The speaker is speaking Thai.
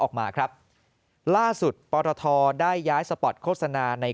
ออกมาครับล่าสุดปรทได้ย้ายสปอร์ตโฆษณาใน